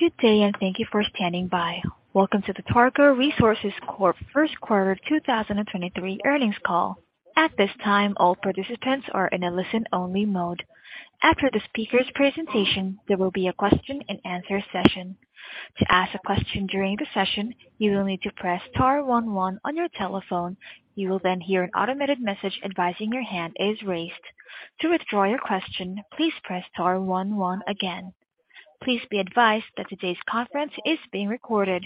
Good day, and thank you for standing by. Welcome to the Targa Resources Corp First Quarter 2023 Earnings Call. At this time, all participants are in a listen-only mode. After the speaker's presentation, there will be a question-and-answer session. To ask a question during the session, you will need to press star one one on your telephone. You will then hear an automated message advising your hand is raised. To withdraw your question, please press star one one again. Please be advised that today's conference is being recorded.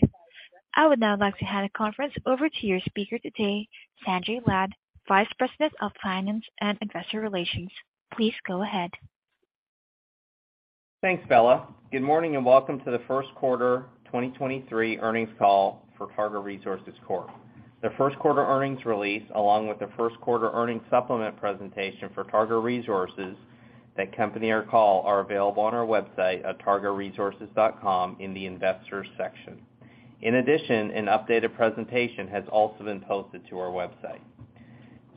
I would now like to hand the conference over to your speaker today, Sanjay Lad, Vice President of Finance and Investor Relations. Please go ahead. Thanks, Bella. Good morning, and welcome to the first quarter 2023 earnings call for Targa Resources Corp. The first quarter earnings release, along with the first quarter earnings supplement presentation for Targa Resources that company or call are available on our website at targaresources.com in the investors section. In addition, an updated presentation has also been posted to our website.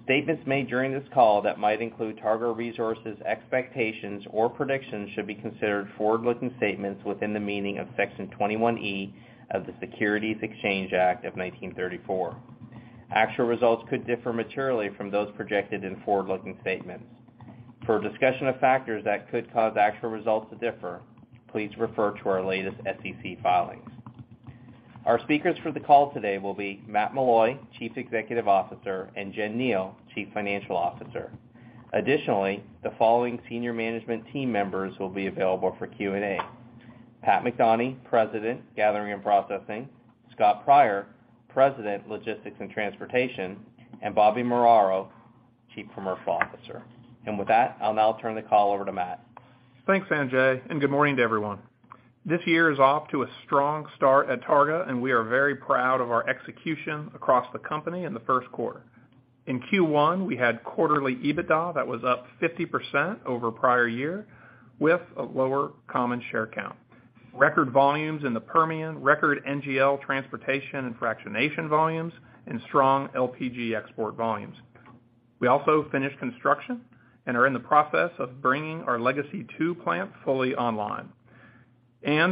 Statements made during this call that might include Targa Resources expectations or predictions should be considered forward-looking statements within the meaning of Section 21E of the Securities Exchange Act of 1934. Actual results could differ materially from those projected in forward-looking statements. For a discussion of factors that could cause actual results to differ, please refer to our latest SEC filings. Our speakers for the call today will be Matt Meloy, Chief Executive Officer, and Jennifer Kneale, Chief Financial Officer. Additionally, the following senior management team members will be available for Q&A. Pat McDonie, President, Gathering and Processing, Scott Pryor, President, Logistics and Transportation, and Bobby Muraro, Chief Commercial Officer. With that, I'll now turn the call over to Matt. Thanks, Sanjay. Good morning to everyone. This year is off to a strong start at Targa, and we are very proud of our execution across the company in the first quarter. In Q1, we had quarterly EBITDA that was up 50% over prior year with a lower common share count. Record volumes in the Permian, record NGL transportation and fractionation volumes, and strong LPG export volumes. We also finished construction and are in the process of bringing our Legacy II plant fully online.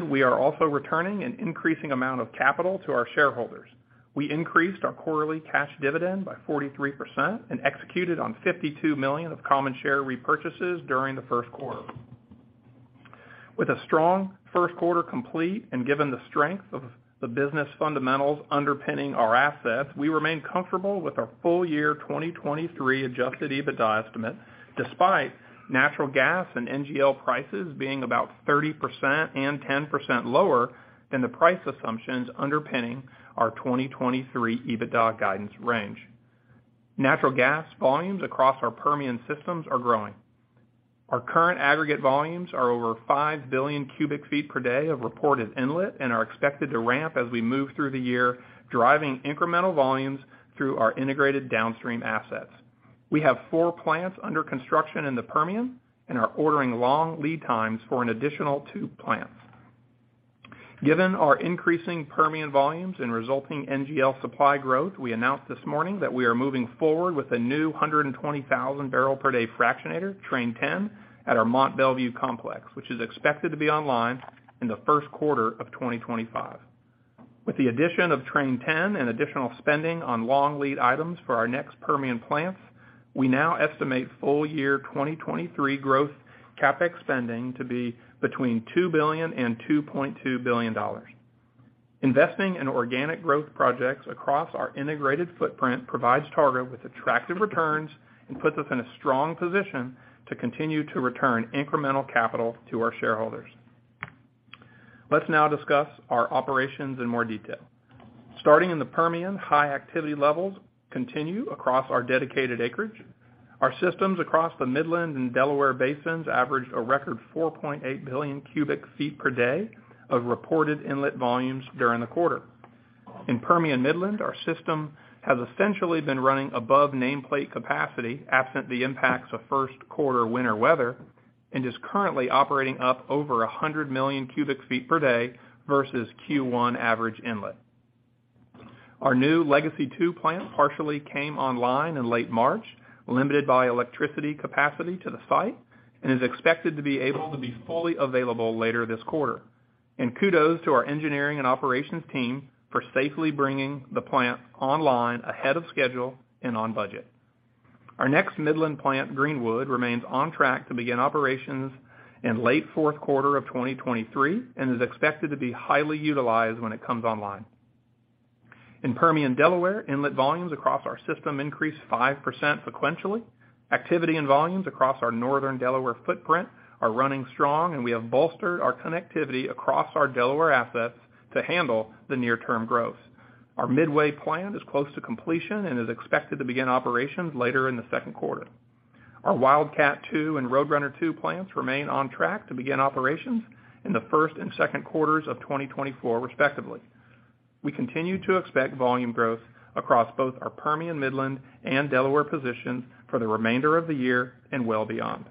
We are also returning an increasing amount of capital to our shareholders. We increased our quarterly cash dividend by 43% and executed on $52 million of common share repurchases during the first quarter. With a strong first quarter complete and given the strength of the business fundamentals underpinning our assets, we remain comfortable with our full year 2023 adjusted EBITDA estimate, despite natural gas and NGL prices being about 30% and 10% lower than the price assumptions underpinning our 2023 EBITDA guidance range. Natural gas volumes across our Permian systems are growing. Our current aggregate volumes are over 5 BCF per day of reported inlet and are expected to ramp as we move through the year, driving incremental volumes through our integrated downstream assets. We have four plants under construction in the Permian and are ordering long lead times for an additional two plants. Given our increasing Permian volumes and resulting NGL supply growth, we announced this morning that we are moving forward with a new 120,000 barrel per day fractionator, Train 10, at our Mont Belvieu complex, which is expected to be online in the first quarter of 2025. With the addition of Train 10 and additional spending on long lead items for our next Permian plants, we now estimate full year 2023 growth CapEx spending to be between $2 billion and $2.2 billion. Investing in organic growth projects across our integrated footprint provides Targa with attractive returns and puts us in a strong position to continue to return incremental capital to our shareholders. Let's now discuss our operations in more detail. Starting in the Permian, high activity levels continue across our dedicated acreage. Our systems across the Midland and Delaware basins averaged a record 4.8 BCF per day of reported inlet volumes during the quarter. In Permian Midland, our system has essentially been running above nameplate capacity, absent the impacts of first quarter winter weather, and is currently operating up over 100 million cubic feet per day versus Q1 average inlet. Our new Legacy II plant partially came online in late March, limited by electricity capacity to the site, and is expected to be fully available later this quarter. Kudos to our engineering and operations team for safely bringing the plant online ahead of schedule and on budget. Our next Midland plant, Greenwood, remains on track to begin operations in late fourth quarter of 2023 and is expected to be highly utilized when it comes online. In Permian Delaware, inlet volumes across our system increased 5% sequentially. Activity and volumes across our northern Delaware footprint are running strong, and we have bolstered our connectivity across our Delaware assets to handle the near-term growth. Our Midway plant is close to completion and is expected to begin operations later in the second quarter. Our Wildcat II and Roadrunner II plants remain on track to begin operations in the first and second quarters of 2024, respectively. We continue to expect volume growth across both our Permian Midland and Delaware positions for the remainder of the year and well beyond.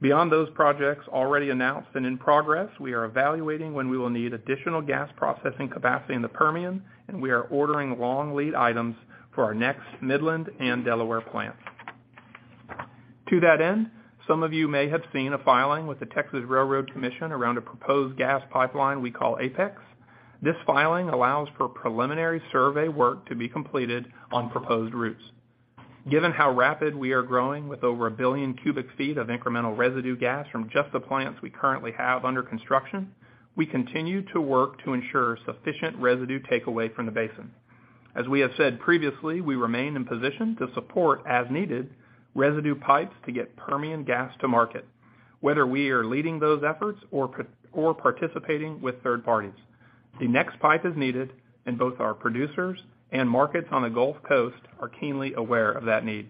Beyond those projects already announced and in progress, we are evaluating when we will need additional gas processing capacity in the Permian, and we are ordering long lead items for our next Midland and Delaware plant. Some of you may have seen a filing with the Texas Railroad Commission around a proposed gas pipeline we call Apex. This filing allows for preliminary survey work to be completed on proposed routes. Given how rapid we are growing with over 1 BCF of incremental residue gas from just the plants we currently have under construction, we continue to work to ensure sufficient residue takeaway from the basin. As we have said previously, we remain in position to support, as needed, residue pipes to get Permian gas to market, whether we are leading those efforts or participating with third parties. The next pipe is needed. Both our producers and markets on the Gulf Coast are keenly aware of that need.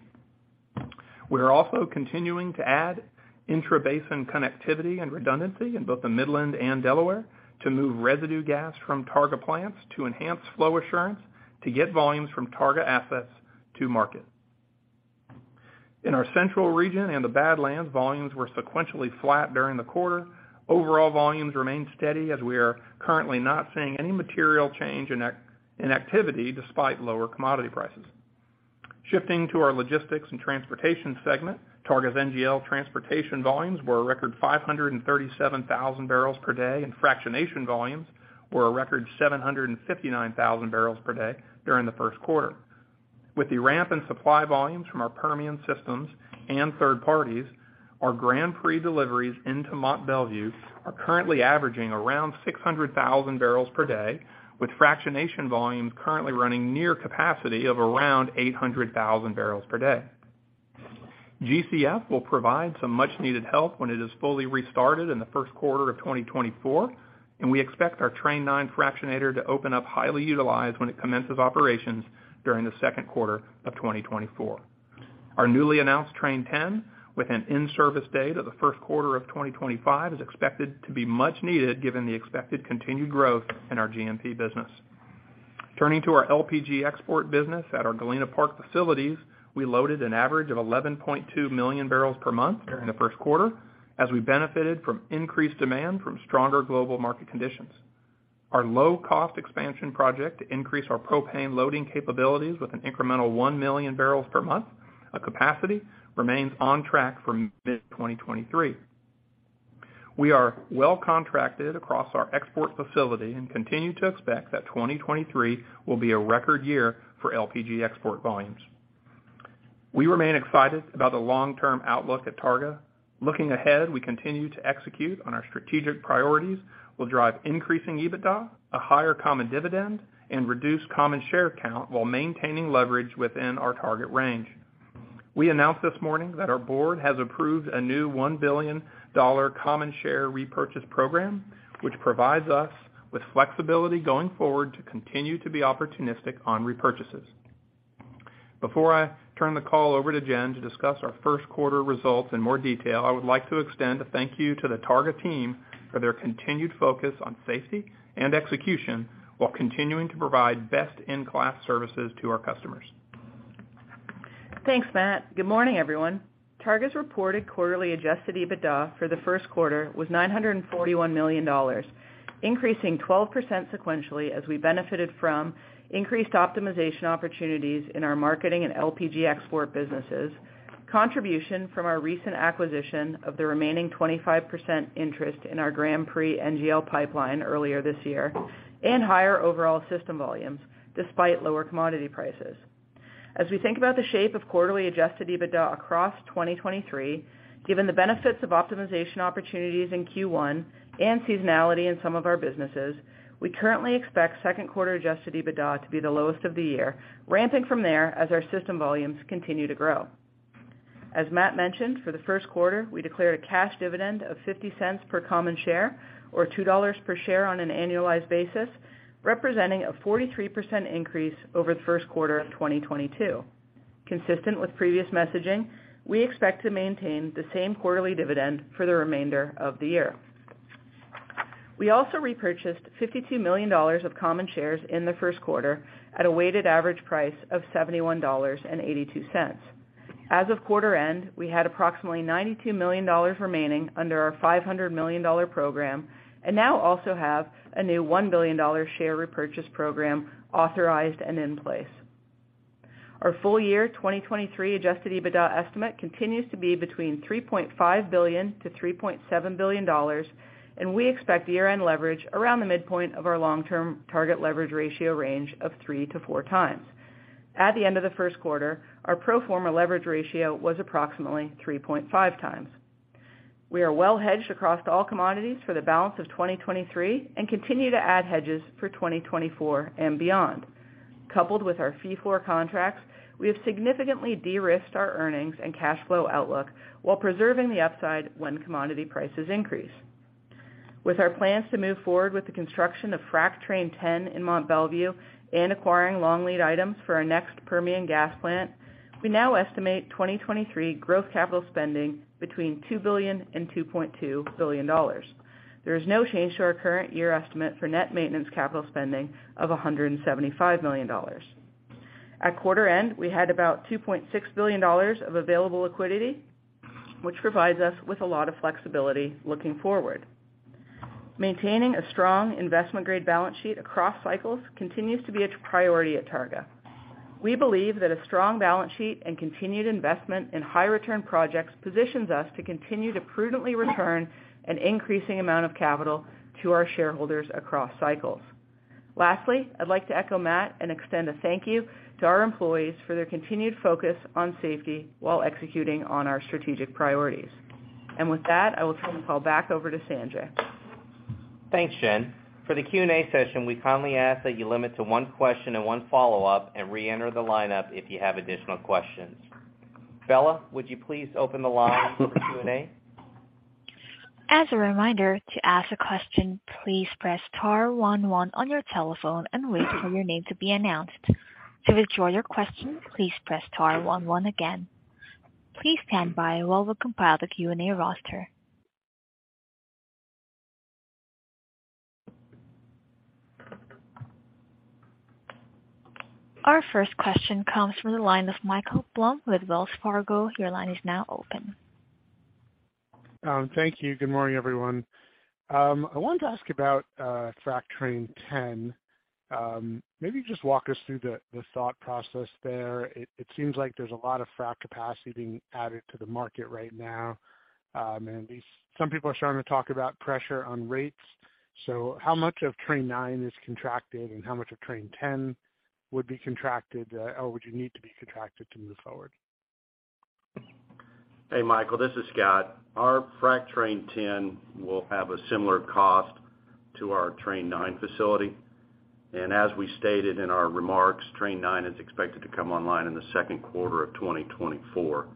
We are also continuing to add intrabasin connectivity and redundancy in both the Midland and Delaware to move residue gas from Targa plants to enhance flow assurance to get volumes from Targa assets to market. In our central region and the Badlands, volumes were sequentially flat during the quarter. Overall volumes remained steady as we are currently not seeing any material change in activity despite lower commodity prices. Shifting to our logistics and transportation segment, Targa's NGL transportation volumes were a record 537,000 bbl per day, and fractionation volumes were a record 759,000 bbl per day during the first quarter. With the ramp in supply volumes from our Permian systems and third parties, our Grand Prix deliveries into Mont Belvieu are currently averaging around 600,000 bbls per day, with fractionation volumes currently running near capacity of around 800,000 bbl per day. GCF will provide some much-needed help when it is fully restarted in the first quarter of 2024. We expect our Train 9 fractionator to open up highly utilized when it commences operations during the second quarter of 2024. Our newly announced Train 10, with an in-service date of the first quarter of 2025, is expected to be much needed given the expected continued growth in our GMP business. Turning to our LPG export business at our Galena Park facilities, we loaded an average of 11.2 million barrels per month during the first quarter as we benefited from increased demand from stronger global market conditions. Our low-cost expansion project to increase our propane loading capabilities with an incremental one million barrels per month of capacity remains on track for mid-2023. We are well contracted across our export facility and continue to expect that 2023 will be a record year for LPG export volumes. We remain excited about the long-term outlook at Targa. Looking ahead, we continue to execute on our strategic priorities, will drive increasing EBITDA, a higher common dividend, and reduce common share count while maintaining leverage within our target range. We announced this morning that our board has approved a new $1 billion common share repurchase program, which provides us with flexibility going forward to continue to be opportunistic on repurchases. Before I turn the call over to Jen to discuss our first quarter results in more detail, I would like to extend a thank you to the Targa team for their continued focus on safety and execution while continuing to provide best-in-class services to our customers. Thanks, Matt. Good morning, everyone. Targa's reported quarterly adjusted EBITDA for the first quarter was $941 million, increasing 12% sequentially as we benefited from increased optimization opportunities in our marketing and LPG export businesses, contribution from our recent acquisition of the remaining 25% interest in our Grand Prix NGL Pipeline earlier this year, and higher overall system volumes despite lower commodity prices. As we think about the shape of quarterly adjusted EBITDA across 2023, given the benefits of optimization opportunities in Q1 and seasonality in some of our businesses, we currently expect second quarter adjusted EBITDA to be the lowest of the year, ramping from there as our system volumes continue to grow. As Matt mentioned, for the first quarter, we declared a cash dividend of $0.50 per common share or $2 per share on an annualized basis, representing a 43% increase over the first quarter of 2022. Consistent with previous messaging, we expect to maintain the same quarterly dividend for the remainder of the year. We also repurchased $52 million of common shares in the first quarter at a weighted average price of $71.82. As of quarter end, we had approximately $92 million remaining under our $500 million program and now also have a new $1 billion share repurchase program authorized and in place. Our full year 2023 adjusted EBITDA estimate continues to be between $3.5 billion-$3.7 billion. We expect year-end leverage around the midpoint of our long-term target leverage ratio range of 3x-4x. At the end of the first quarter, our pro forma leverage ratio was approximately 3.5x. We are well hedged across all commodities for the balance of 2023 and continue to add hedges for 2024 and beyond. Coupled with our fee for contracts, we have significantly de-risked our earnings and cash flow outlook while preserving the upside when commodity prices increase. With our plans to move forward with the construction of Frac Train 10 in Mont Belvieu and acquiring long lead items for our next Permian gas plant, we now estimate 2023 growth capital spending between $2 billion and $2.2 billion. There is no change to our current year estimate for net maintenance capital spending of $175 million. At quarter end, we had about $2.6 billion of available liquidity, which provides us with a lot of flexibility looking forward. Maintaining a strong investment grade balance sheet across cycles continues to be a priority at Targa. We believe that a strong balance sheet and continued investment in high return projects positions us to continue to prudently return an increasing amount of capital to our shareholders across cycles. Lastly, I'd like to echo Matt and extend a thank you to our employees for their continued focus on safety while executing on our strategic priorities. With that, I will turn the call back over to Sanjay. Thanks, Jen. For the Q&A session, we kindly ask that you limit to one question and one follow-up and re-enter the lineup if you have additional questions. Operator, would you please open the line for Q&A? As a reminder, to ask a question, please press star one one on your telephone and wait for your name to be announced. To withdraw your question, please press star one one again. Please stand by while we compile the Q&A roster. Our first question comes from the line of Michael Blum with Wells Fargo. Your line is now open. Thank you. Good morning, everyone. I wanted to ask about Frac Train 10. Maybe just walk us through the thought process there. It seems like there's a lot of frac capacity being added to the market right now. Some people are starting to talk about pressure on rates. How much of Train 9 is contracted and how much of Train 10 would be contracted, or would you need to be contracted to move forward? Hey, Michael, this is Scott. Our Frac Train 10 will have a similar cost to our Train 9 facility. As we stated in our remarks, Train 9 is expected to come online in the second quarter of 2024.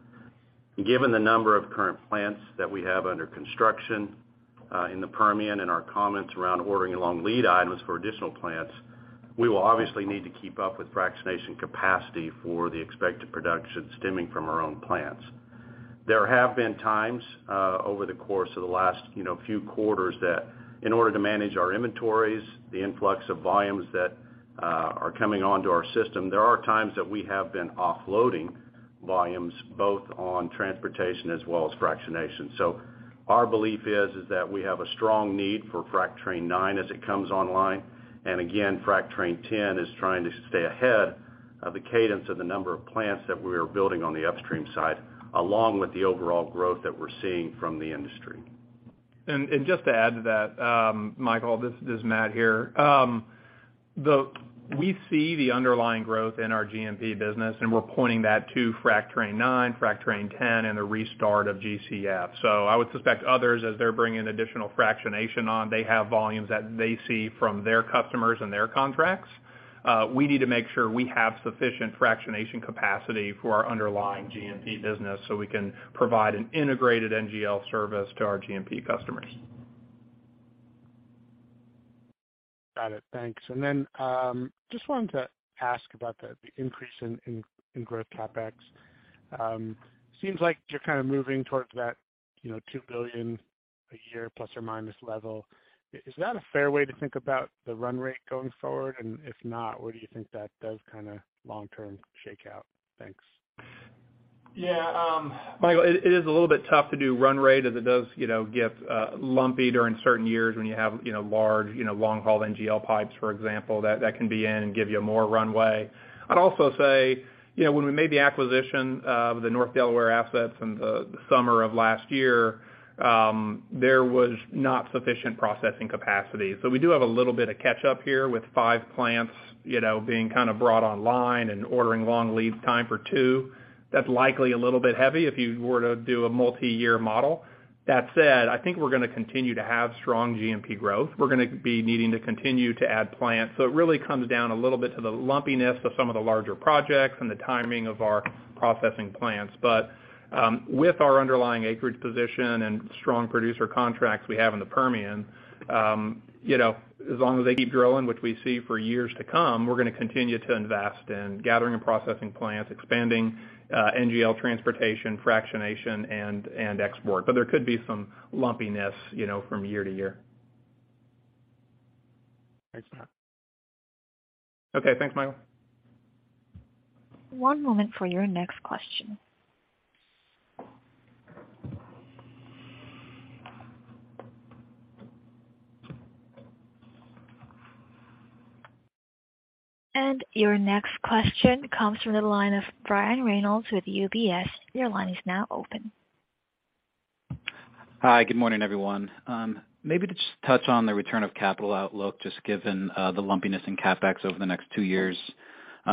Given the number of current plants that we have under construction in the Permian and our comments around ordering long lead items for additional plants, we will obviously need to keep up with fractionation capacity for the expected production stemming from our own plants. There have been times over the course of the last, you know, few quarters that in order to manage our inventories, the influx of volumes that are coming onto our system, there are times that we have been offloading volumes both on transportation as well as fractionation. Our belief is that we have a strong need for Frac Train 9 as it comes online. Again, Frac Train 10 is trying to stay ahead of the cadence of the number of plants that we are building on the upstream side, along with the overall growth that we're seeing from the industry. Just to add to that, Michael, this is Matt here. We see the underlying growth in our GMP business, and we're pointing that to Frac Train 9, Frac Train 10 and the restart of GCF. I would suspect others, as they're bringing additional fractionation on, they have volumes that they see from their customers and their contracts. We need to make sure we have sufficient fractionation capacity for our underlying GMP business, so we can provide an integrated NGL service to our GMP customers. Got it. Thanks. Just wanted to ask about the increase in growth CapEx. Seems like you're kind of moving towards that, you know, $2 billion a year plus or minus level. Is, is that a fair way to think about the run rate going forward? If not, where do you think that does kinda long term shake out? Thanks. Michael, it is a little bit tough to do run rate as it does, you know, get lumpy during certain years when you have, you know, large, you know, long-haul NGL pipes, for example, that can be in and give you more runway. I'd also say, you know, when we made the acquisition of the North Delaware assets in the summer of last year, there was not sufficient processing capacity. We do have a little bit of catch up here with five plants, you know, being kinda brought online and ordering long leads time for two. That's likely a little bit heavy if you were to do a multi-year model. That said, I think we're gonna continue to have strong GMP growth. We're gonna be needing to continue to add plants. It really comes down a little bit to the lumpiness of some of the larger projects and the timing of our processing plants. With our underlying acreage position and strong producer contracts we have in the Permian, you know, as long as they keep growing, which we see for years to come, we're gonna continue to invest in gathering and processing plants, expanding NGL transportation, fractionation and export. There could be some lumpiness, you know, from year to year. Thanks, Matt Meloy. Okay. Thanks, Michael. One moment for your next question. Your next question comes from the line of Brian Reynolds with UBS. Your line is now open. Hi. Good morning, everyone. Maybe to just touch on the return of capital outlook, just given the lumpiness in CapEx over the next two years.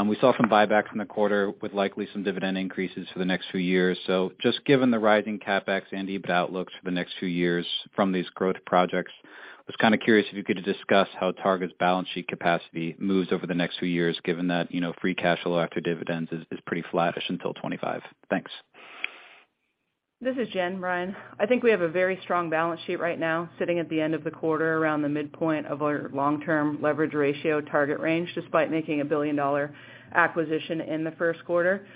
We saw some buyback from the quarter with likely some dividend increases for the next few years. Just given the rising CapEx and EBIT outlooks for the next few years from these growth projects, I was kinda curious if you could discuss how Targa's balance sheet capacity moves over the next few years, given that, you know, free cash flow after dividends is pretty flattish until 2025. Thanks. This is Jen, Brian. I think we have a very strong balance sheet right now, sitting at the end of the quarter around the midpoint of our long-term leverage ratio target range, despite making a billion-dollar acquisition in the first quarter.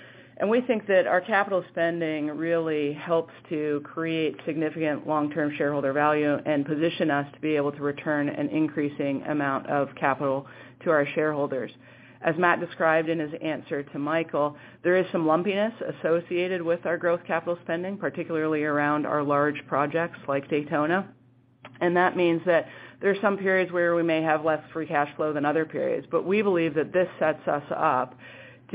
We think that our capital spending really helps to create significant long-term shareholder value and position us to be able to return an increasing amount of capital to our shareholders. As Matt described in his answer to Michael, there is some lumpiness associated with our growth capital spending, particularly around our large projects like Daytona. That means that there are some periods where we may have less free cash flow than other periods. We believe that this sets us up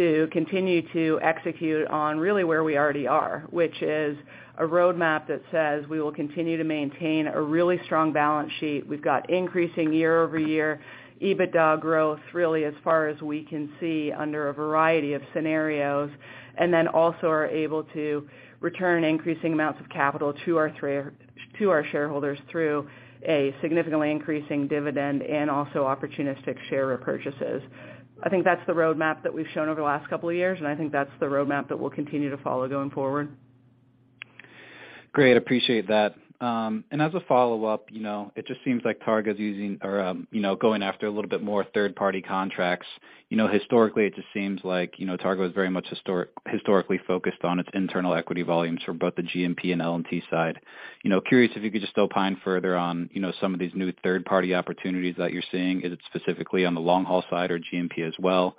to continue to execute on really where we already are, which is a roadmap that says we will continue to maintain a really strong balance sheet. We've got increasing year-over-year EBITDA growth really as far as we can see under a variety of scenarios. Also are able to return increasing amounts of capital to our shareholders through a significantly increasing dividend and also opportunistic share repurchases. I think that's the roadmap that we've shown over the last couple of years. I think that's the roadmap that we'll continue to follow going forward. Great. Appreciate that. As a follow-up, you know, it just seems like Targa is using or, you know, going after a little bit more third-party contracts. You know, historically, it just seems like, you know, Targa is very much historically focused on its internal equity volumes for both the GMP and LMT side. You know, curious if you could just opine further on, you know, some of these new third-party opportunities that you're seeing. Is it specifically on the long-haul side or GMP as well?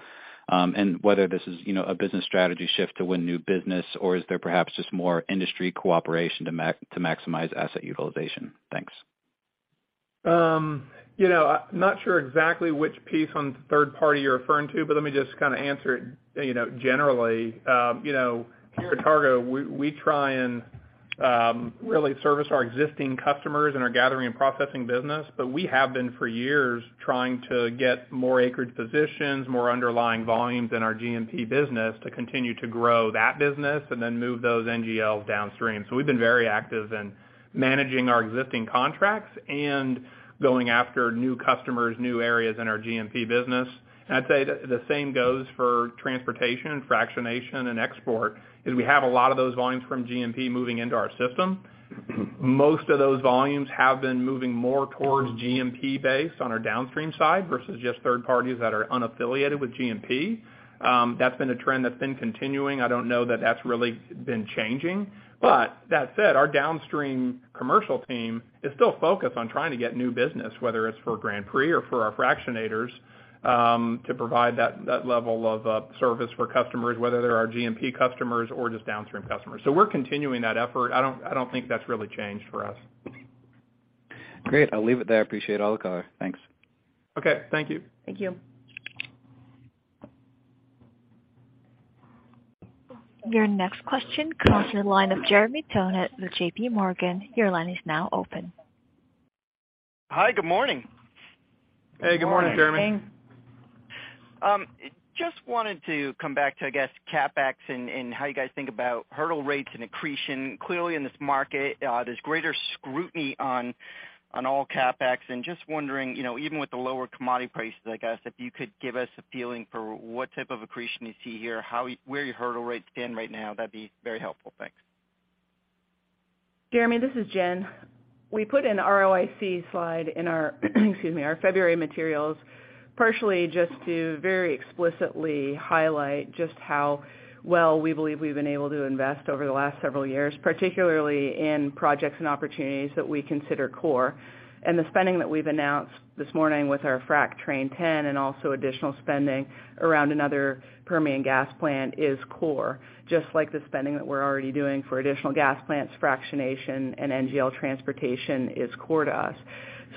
Whether this is, you know, a business strategy shift to win new business, or is there perhaps just more industry cooperation to maximize asset utilization? Thanks. You know, I'm not sure exactly which piece on third party you're referring to. Let me just kind of answer it, you know, generally. You know, here at Targa, we try and really service our existing customers in our gathering and processing business. We have been for years trying to get more acreage positions, more underlying volumes in our GMP business to continue to grow that business and then move those NGL downstream. We've been very active in managing our existing contracts and going after new customers, new areas in our GMP business. I'd say the same goes for transportation, fractionation, and export, is we have a lot of those volumes from GMP moving into our system. Most of those volumes have been moving more towards GMP base on our downstream side versus just third parties that are unaffiliated with GMP. That's been a trend that's been continuing. I don't know that that's really been changing. That said, our downstream commercial team is still focused on trying to get new business, whether it's for Grand Prix or for our fractionators, to provide that level of service for customers, whether they're our GMP customers or just downstream customers. We're continuing that effort. I don't think that's really changed for us. Great. I'll leave it there. I appreciate all the color. Thanks. Okay. Thank you. Thank you. Your next question comes from the line of Jeremy Tonet with J.P. Morgan. Your line is now open. Hi, good morning. Hey, good morning, Jeremy. Good morning. just wanted to come back to, I guess, CapEx and how you guys think about hurdle rates and accretion. Clearly, in this market, there's greater scrutiny on all CapEx. Just wondering, you know, even with the lower commodity prices, I guess, if you could give us a feeling for what type of accretion you see here, where your hurdle rates stand right now, that'd be very helpful. Thanks. Jeremy, this is Jen. We put an ROIC slide in our, excuse me, our February materials, partially just to very explicitly highlight just how well we believe we've been able to invest over the last several years, particularly in projects and opportunities that we consider core. The spending that we've announced this morning with our Frac Train 10 and also additional spending around another Permian gas plant is core, just like the spending that we're already doing for additional gas plants, fractionation, and NGL transportation is core to us.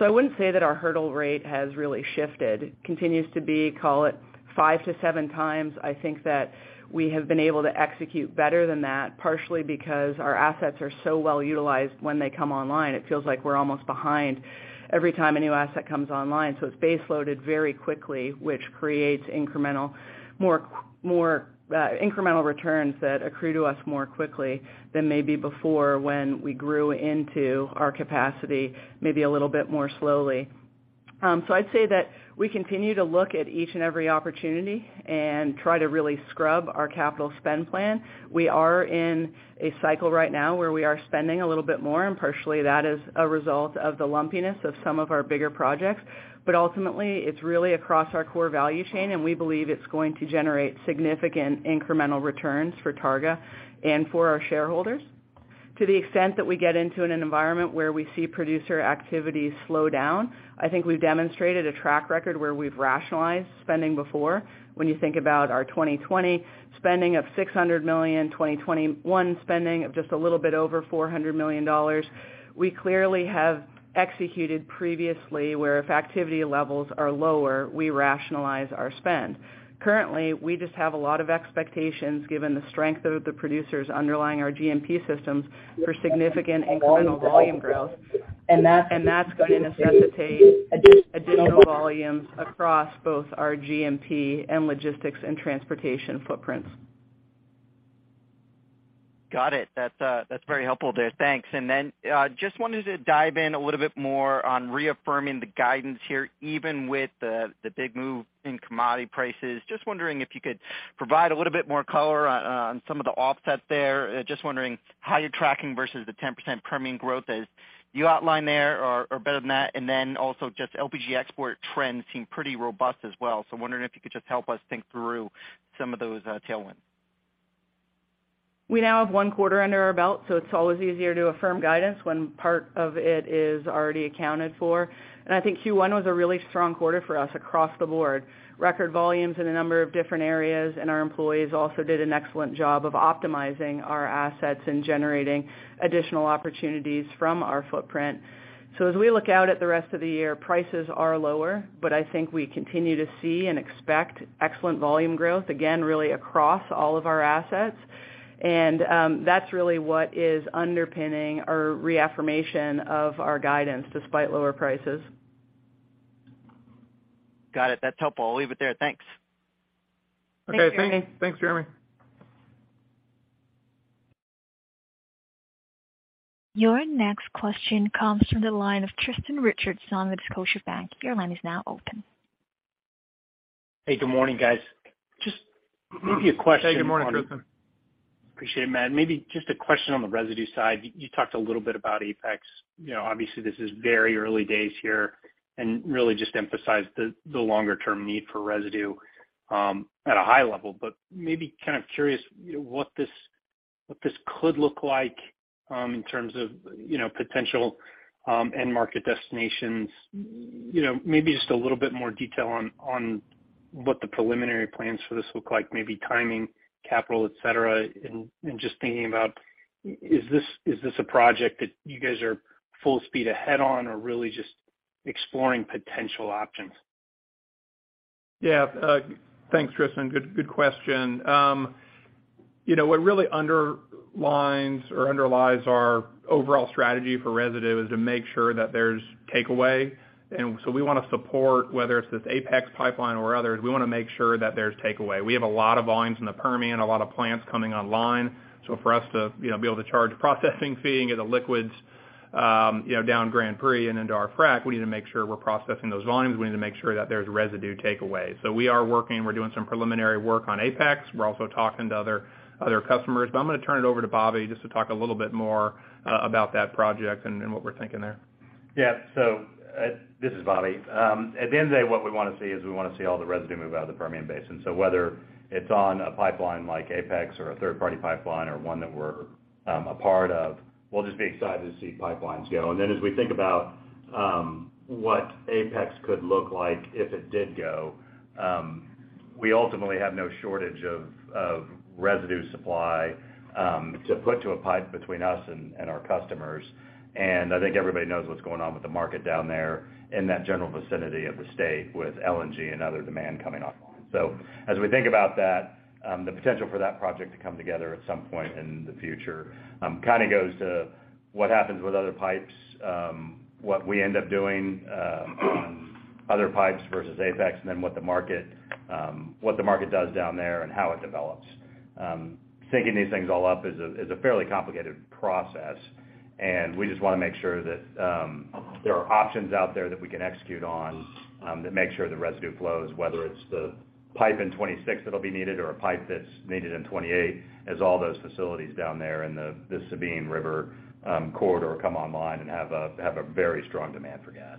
I wouldn't say that our hurdle rate has really shifted. Continues to be, call it, five to seven times. I think that we have been able to execute better than that, partially because our assets are so well utilized when they come online. It feels like we're almost behind every time a new asset comes online. It's base-loaded very quickly, which creates more incremental returns that accrue to us more quickly than maybe before when we grew into our capacity, maybe a little bit more slowly. I'd say that we continue to look at each and every opportunity and try to really scrub our capital spend plan. We are in a cycle right now where we are spending a little bit more, and partially that is a result of the lumpiness of some of our bigger projects. Ultimately, it's really across our core value chain, and we believe it's going to generate significant incremental returns for Targa and for our shareholders. To the extent that we get into in an environment where we see producer activity slow down, I think we've demonstrated a track record where we've rationalized spending before. When you think about our 2020 spending of $600 million, 2021 spending of just a little bit over $400 million, we clearly have executed previously, where if activity levels are lower, we rationalize our spend. Currently, we just have a lot of expectations, given the strength of the producers underlying our GMP systems for significant incremental volume growth. That's gonna necessitate additional volumes across both our GMP and logistics and transportation footprints. Got it. That's, that's very helpful there. Thanks. Just wanted to dive in a little bit more on reaffirming the guidance here, even with the big move in commodity prices. Just wondering if you could provide a little bit more color on some of the offsets there. Just wondering how you're tracking versus the 10% Permian growth as you outlined there or better than that. Also just LPG export trends seem pretty robust as well. Wondering if you could just help us think through some of those, tailwinds. We now have one quarter under our belt, so it's always easier to affirm guidance when part of it is already accounted for. I think Q1 was a really strong quarter for us across the board. Record volumes in a number of different areas, and our employees also did an excellent job of optimizing our assets and generating additional opportunities from our footprint. As we look out at the rest of the year, prices are lower, but I think we continue to see and expect excellent volume growth, again, really across all of our assets. That's really what is underpinning our reaffirmation of our guidance despite lower prices. Got it. That's helpful. I'll leave it there. Thanks. Thank you. Okay, thanks. Thanks, Jeremy. Your next question comes from the line of Tristan Richardson with Scotiabank. Your line is now open. Hey, good morning, guys. Just maybe a question-? Hey, good morning, Tristan. Appreciate it, Matt. Maybe just a question on the residue side. You talked a little bit about Apex. You know, obviously this is very early days here, and really just emphasize the longer-term need for residue at a high level, but maybe kind of curious, you know, what this, what this could look like in terms of, you know, potential end market destinations. You know, maybe just a little bit more detail on what the preliminary plans for this look like, maybe timing, capital, et cetera. Just thinking about, is this a project that you guys are full speed ahead on, or really just exploring potential options? Yeah. Thanks, Tristan. Good, good question. You know, what really underlines or underlies our overall strategy for residue is to make sure that there's takeaway. We wanna support, whether it's this Apex Pipeline or others, we wanna make sure that there's takeaway. We have a lot of volumes in the Permian, a lot of plants coming online. For us to, you know, be able to charge processing fee and get the liquids, you know, down Grand Prix and into our frac, we need to make sure we're processing those volumes. We need to make sure that there's residue takeaway. We are working, we're doing some preliminary work on Apex. We're also talking to other customers. I'm gonna turn it over to Bobby just to talk a little bit more about that project and what we're thinking there. Yeah. This is Bobby. At the end of the day, what we wanna see is we wanna see all the residue move out of the Permian Basin. Whether it's on a pipeline like Apex or a third-party pipeline or one that we're a part of, we'll just be excited to see pipelines go. As we think about what Apex could look like if it did go, we ultimately have no shortage of residue supply to put to a pipe between us and our customers. I think everybody knows what's going on with the market down there in that general vicinity of the state with LNG and other demand coming online. As we think about that, the potential for that project to come together at some point in the future, kind of goes to what happens with other pipes, what we end up doing on other pipes versus Apex, and then what the market does down there and how it develops. Syncing these things all up is a fairly complicated process, and we just wanna make sure that there are options out there that we can execute on to make sure the residue flows, whether it's the pipe in 2026 that'll be needed or a pipe that's needed in 2028 as all those facilities down there in the Sabine River corridor come online and have a very strong demand for gas.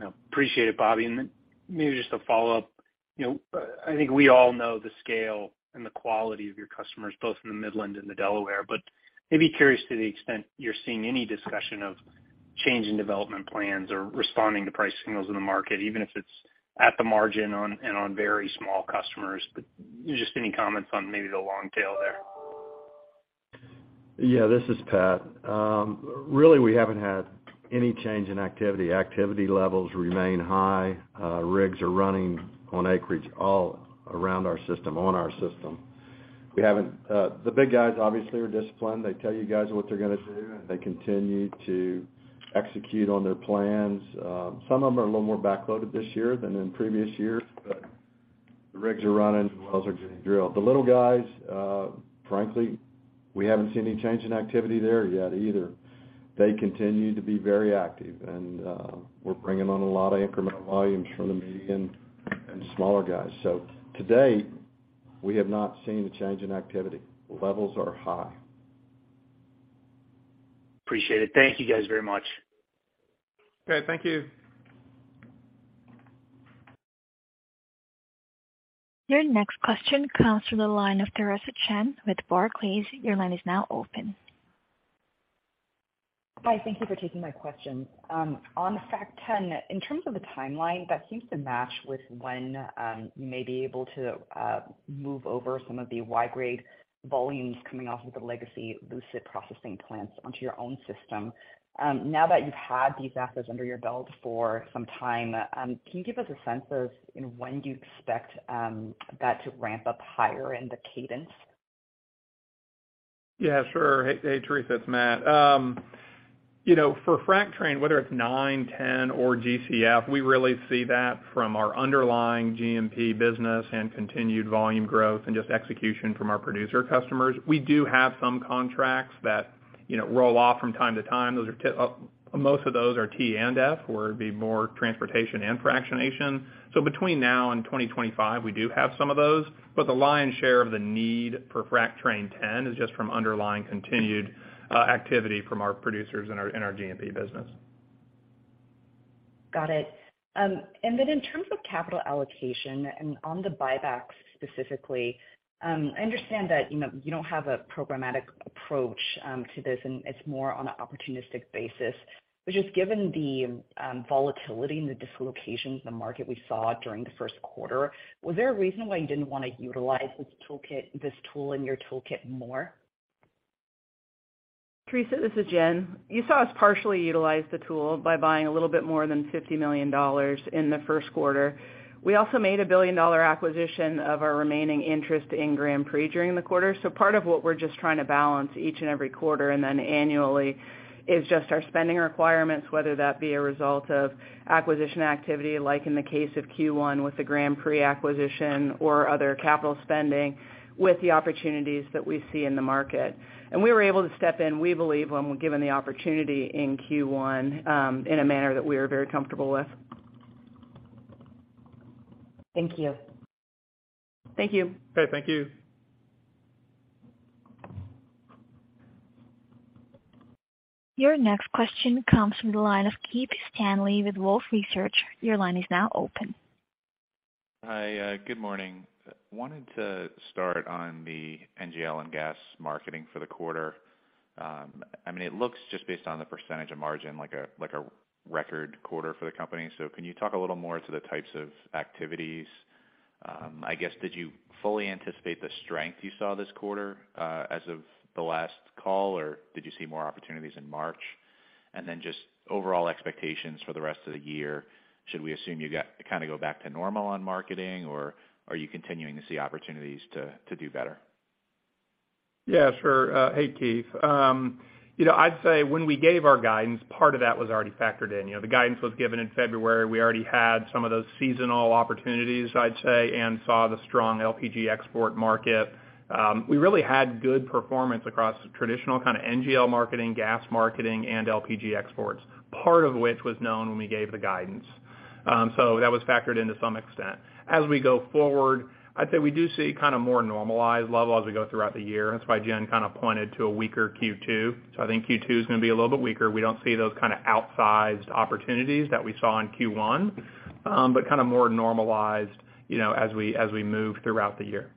Yep. Appreciate it, Bobby. Maybe just a follow-up. You know, I think we all know the scale and the quality of your customers, both in the Midland and the Delaware, but maybe curious to the extent you're seeing any discussion of change in development plans or responding to price signals in the market, even if it's at the margin on, and on very small customers. Just any comments on maybe the long tail there. Yeah, this is Pat. Really, we haven't had any change in activity. Activity levels remain high. Rigs are running on acreage all around our system, on our system. The big guys obviously are disciplined. They tell you guys what they're gonna do, and they continue to execute on their plans. Some of them are a little more backloaded this year than in previous years, but the rigs are running, the wells are getting drilled. The little guys, frankly, we haven't seen any change in activity there yet either. They continue to be very active and, we're bringing on a lot of incremental volumes from the medium and smaller guys. To date, we have not seen a change in activity. Levels are high. Appreciate it. Thank you guys very much. Okay, thank you. Your next question comes from the line of Theresa Chen with Barclays. Your line is now open. Hi, thank you for taking my questions. On Frac Train 10, in terms of the timeline, that seems to match with when you may be able to move over some of the Y-grade volumes coming off of the legacy Lucid processing plants onto your own system. Now that you've had these assets under your belt for some time, can you give us a sense of, you know, when do you expect that to ramp up higher in the cadence? Yeah, sure. Hey, Theresa, it's Matt. you know, for Frac Train, whether it's Train 9, Train 10 or GCF, we really see that from our underlying GMP business and continued volume growth and just execution from our producer customers. We do have some contracts that, you know, roll off from time to time. Most of those are T&F, where it'd be more transportation and fractionation. Between now and 2025, we do have some of those, but the lion's share of the need for Frac Train 10 is just from underlying continued activity from our producers in our, in our GMP business. Got it. In terms of capital allocation and on the buybacks specifically, I understand that, you know, you don't have a programmatic approach to this, and it's more on an opportunistic basis. Just given the volatility and the dislocations in the market we saw during the first quarter, was there a reason why you didn't want to utilize this tool in your toolkit more? Theresa, this is Jen. You saw us partially utilize the tool by buying a little bit more than $50 million in the first quarter. We also made a $1 billion acquisition of our remaining interest in Grand Prix during the quarter. Part of what we're just trying to balance each and every quarter and then annually is just our spending requirements, whether that be a result of acquisition activity, like in the case of Q1 with the Grand Prix acquisition or other capital spending, with the opportunities that we see in the market. We were able to step in, we believe, when given the opportunity in Q1, in a manner that we are very comfortable with. Thank you. Thank you. Okay. Thank you. Your next question comes from the line of Keith Stanley with Wolfe Research. Your line is now open. Hi. Good morning. Wanted to start on the NGL and gas marketing for the quarter. I mean, it looks just based on the percentage of margin like a record quarter for the company. Can you talk a little more to the types of activities? I guess, did you fully anticipate the strength you saw this quarter as of the last call, or did you see more opportunities in March? Then just overall expectations for the rest of the year, should we assume you kinda go back to normal on marketing, or are you continuing to see opportunities to do better? Yeah, sure. Hey, Keith. You know, I'd say when we gave our guidance, part of that was already factored in. You know, the guidance was given in February. We already had some of those seasonal opportunities, I'd say, and saw the strong LPG export market. We really had good performance across traditional kinda NGL marketing, gas marketing, and LPG exports, part of which was known when we gave the guidance. That was factored into some extent. As we go forward, I'd say we do see kinda more normalized level as we go throughout the year. That's why Jen kinda pointed to a weaker Q2. I think Q2 is gonna be a little bit weaker. We don't see those kinda outsized opportunities that we saw in Q1, but kinda more normalized, you know, as we move throughout the year.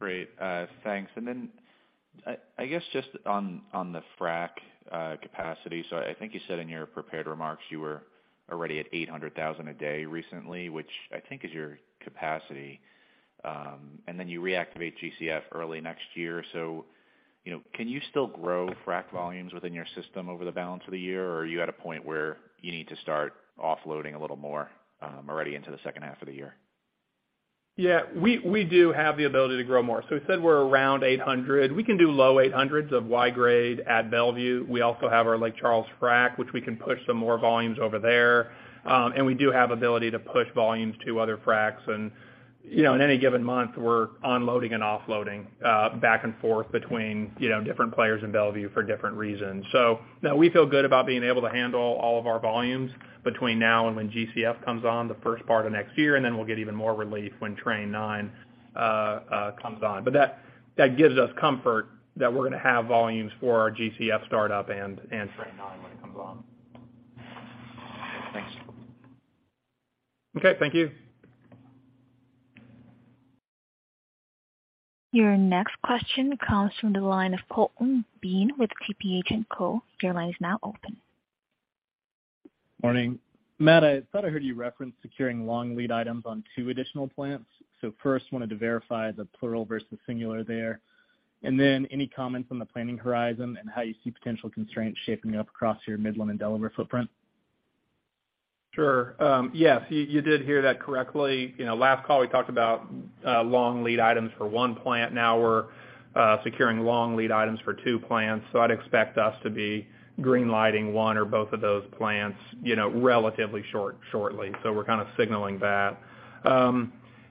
Great. Thanks. I guess just on the frack capacity. I think you said in your prepared remarks you were already at 800,000 a day recently, which I think is your capacity. You reactivate GCF early next year. You know, can you still grow frack volumes within your system over the balance of the year, or are you at a point where you need to start offloading a little more, already into the second half of the year? We do have the ability to grow more. We said we're around 800. We can do low 800s of Y-grade at Mont Belvieu. We also have our Lake Charles frac, which we can push some more volumes over there. We do have ability to push volumes to other fracs. You know, in any given month, we're unloading and offloading back and forth between, you know, different players in Mont Belvieu for different reasons. No, we feel good about being able to handle all of our volumes between now and when Gulf Coast Fractionators comes on the first part of next year, and then we'll get even more relief when Train 9 comes on. That gives us comfort that we're gonna have volumes for our Gulf Coast Fractionators startup and Train 9 when it comes on. Thanks. Okay. Thank you. Your next question comes from the line of Colton Bean with Tudor, Pickering, Holt & Co. Your line is now open. Morning. Matt, I thought I heard you reference securing long lead items on two additional plants. First, wanted to verify the plural versus singular there. Any comments on the planning horizon and how you see potential constraints shaping up across your Midland and Delaware footprint? Sure. Yes, you did hear that correctly. You know, last call, we talked about long lead items for one plant. Now we're securing long lead items for two plants. I'd expect us to be green-lighting one or both of those plants, you know, relatively shortly. We're kinda signaling that.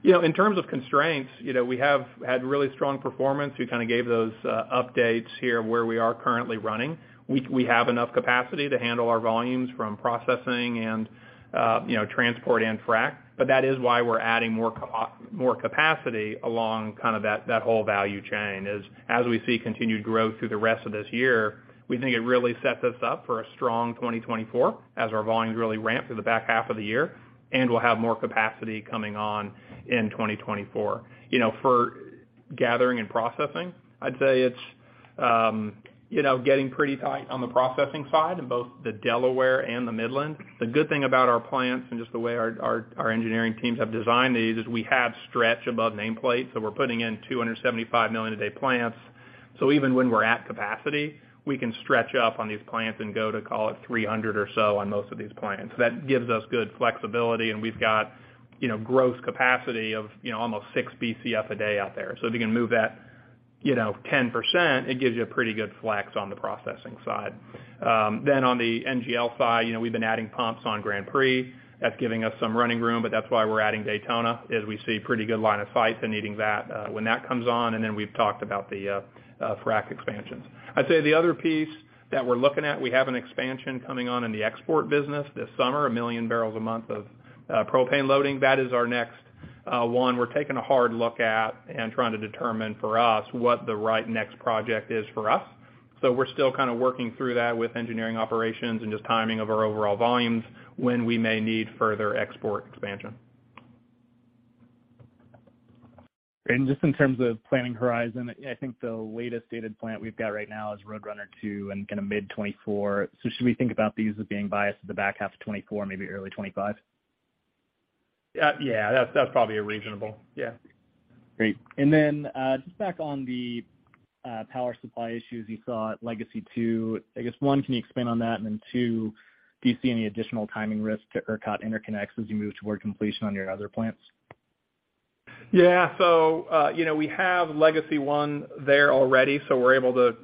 You know, in terms of constraints, you know, we have had really strong performance. We kinda gave those updates here where we are currently running. We have enough capacity to handle our volumes from processing and, you know, transport and frack. That is why we're adding more capacity along kind of that whole value chain. As we see continued growth through the rest of this year, we think it really sets us up for a strong 2024 as our volumes really ramp through the back half of the year. We'll have more capacity coming on in 2024. You know, for gathering and processing, I'd say it's, you know, getting pretty tight on the processing side in both the Delaware and the Midlands. The good thing about our plants and just the way our engineering teams have designed these is we have stretch above nameplate, so we're putting in 275 million a day plants. Even when we're at capacity, we can stretch up on these plants and go to call it 300 or so on most of these plants. That gives us good flexibility, and we've got gross capacity of almost 6 BCF a day out there. If you can move that 10%, it gives you a pretty good flex on the processing side. On the NGL side, we've been adding pumps on Grand Prix. That's giving us some running room, but that's why we're adding Daytona, is we see pretty good line of sight to needing that when that comes on, and we've talked about the Frac expansions. I'd say the other piece that we're looking at, we have an expansion coming on in the export business this summer, one million barrels a month of propane loading. That is our next one, we're taking a hard look at and trying to determine for us what the right next project is for us. We're still kind of working through that with engineering operations and just timing of our overall volumes when we may need further export expansion. Just in terms of planning horizon, I think the latest dated plant we've got right now is Roadrunner II and kinda mid-2024. Should we think about these as being biased to the back half 2024, maybe early 2025? Yeah. That's probably reasonable. Yeah. Great. Just back on the power supply issues you saw at Legacy II. I guess, one, can you expand on that? Two, do you see any additional timing risk to ERCOT interconnects as you move toward completion on your other plants? Yeah. You know, we have Legacy one there already,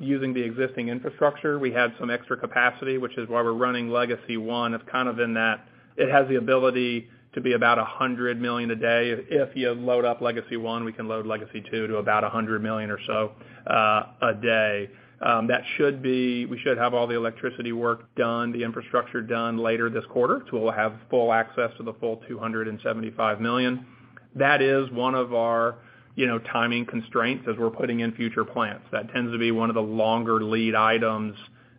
using the existing infrastructure, we have some extra capacity, which is why we're running Legacy one. It's kind of in that it has the ability to be about 100 million a day. If you load up Legacy one, we can load Legacy II to about 100 million or so a day. We should have all the electricity work done, the infrastructure done later this quarter. We'll have full access to the full 275 million. That is one of our, you know, timing constraints as we're putting in future plants. That tends to be one of the longer lead items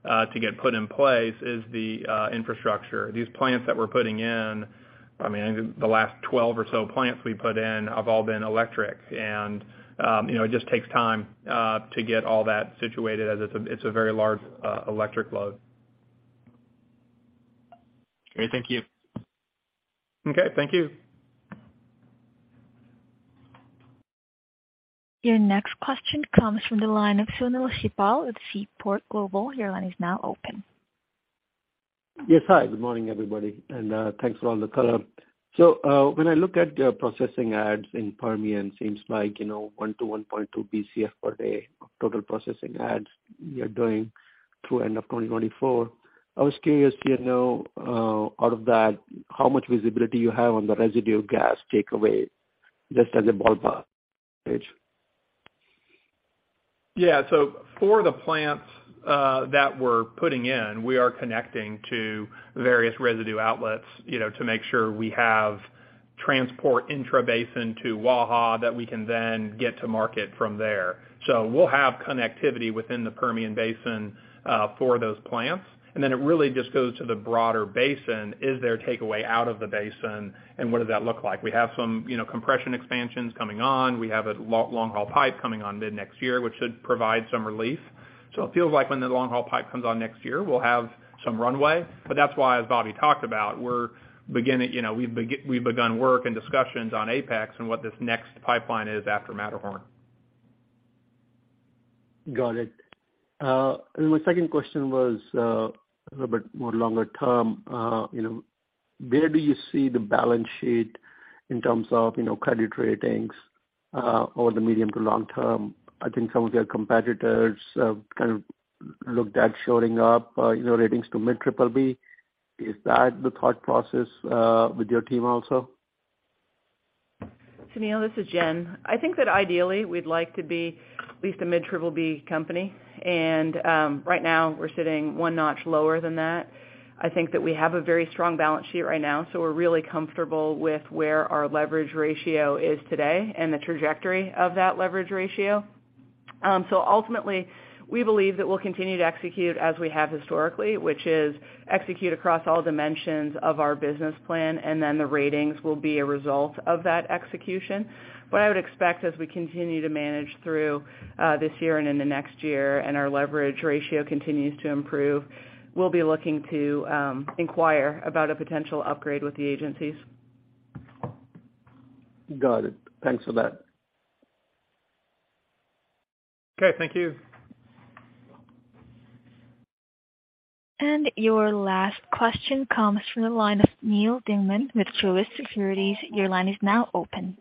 to get put in place, is the infrastructure. These plants that we're putting in, I mean, the last 12 or so plants we put in have all been electric and, you know, it just takes time to get all that situated as it's a very large electric load. Great. Thank you. Okay. Thank you. Your next question comes from the line of Sunil Sibal at Seaport Global. Your line is now open. Yes. Hi. Good morning, everybody. Thanks for all the color. When I look at processing adds in Permian, seems like, you know, 1 BCF to 1.2 BCF per day total processing adds you're doing through end of 2024. I was curious, do you know, out of that, how much visibility you have on the residue gas takeaway, just as a ballpark, please? For the plants that we're putting in, we are connecting to various residue outlets, you know, to make sure we have transport intrabasin to Waha that we can then get to market from there. We'll have connectivity within the Permian Basin for those plants. Then it really just goes to the broader basin. Is there takeaway out of the basin, and what does that look like? We have some, you know, compression expansions coming on. We have a long haul pipe coming on mid next year, which should provide some relief. It feels like when the long haul pipe comes on next year, we'll have some runway. That's why, as Bobby talked about, we're beginning. You know, we've begun work and discussions on Apex and what this next pipeline is after Matterhorn. Got it. My second question was a little bit more longer term. you know, where do you see the balance sheet in terms of, you know, credit ratings over the medium to long term? I think some of your competitors kind of looked at shoring up, you know, ratings to mid-BBB. Is that the thought process with your team also? Sunil, this is Jen. I think that ideally we'd like to be at least a mid-BBB company. Right now we're sitting 1 notch lower than that. I think that we have a very strong balance sheet right now, so we're really comfortable with where our leverage ratio is today and the trajectory of that leverage ratio. Ultimately, we believe that we'll continue to execute as we have historically, which is execute across all dimensions of our business plan, and then the ratings will be a result of that execution. I would expect, as we continue to manage through this year and into next year and our leverage ratio continues to improve, we'll be looking to inquire about a potential upgrade with the agencies. Got it. Thanks for that. Okay. Thank you. Your last question comes from the line of Neal Dingmann with Truist Securities. Your line is now open.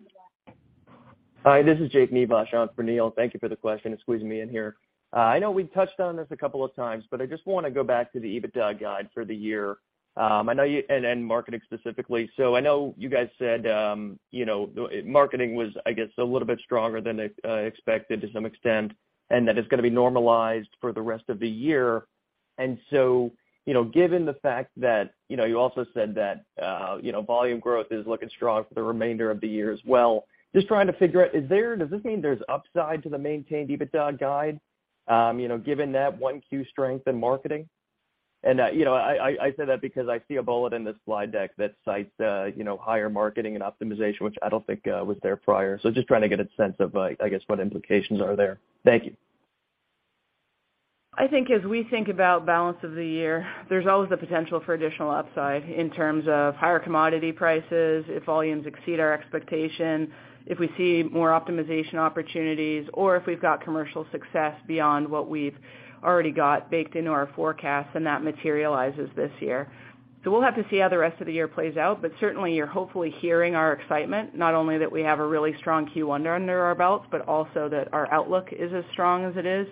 Hi, this is Jake Neuschafer on for Neal. Thank you for the question and squeezing me in here. I know we've touched on this a couple of times, but I just wanna go back to the EBITDA guide for the year. I know marketing specifically. I know you guys said, you know, marketing was, I guess, a little bit stronger than expected to some extent, and that it's gonna be normalized for the rest of the year. You know, given the fact that, you know, you also said that, you know, volume growth is looking strong for the remainder of the year as well, just trying to figure out, does this mean there's upside to the maintained EBITDA guide, you know, given that 1Q strength in marketing? You know, I say that because I see a bullet in the slide deck that cites, you know, higher marketing and optimization, which I don't think was there prior. Just trying to get a sense of, I guess, what implications are there. Thank you. I think as we think about balance of the year, there's always the potential for additional upside in terms of higher commodity prices, if volumes exceed our expectations, if we see more optimization opportunities, or if we've got commercial success beyond what we've already got baked into our forecast and that materializes this year. We'll have to see how the rest of the year plays out, but certainly you're hopefully hearing our excitement, not only that we have a really strong Q1 under our belts, but also that our outlook is as strong as it is.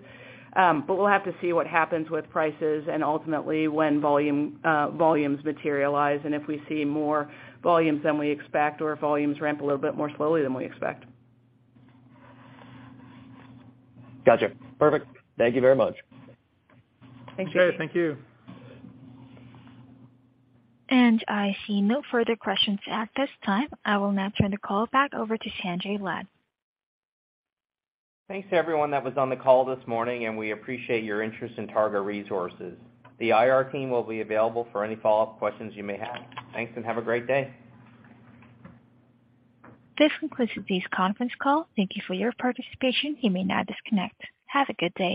We'll have to see what happens with prices and ultimately when volumes materialize, and if we see more volumes than we expect or volumes ramp a little bit more slowly than we expect. Gotcha. Perfect. Thank you very much. Thank you. Okay. Thank you. I see no further questions at this time. I will now turn the call back over to Sanjay Lad. Thanks to everyone that was on the call this morning, and we appreciate your interest in Targa Resources. The IR team will be available for any follow-up questions you may have. Thanks, and have a great day. This concludes today's conference call. Thank you for your participation. You may now disconnect. Have a good day.